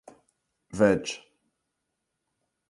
Veg.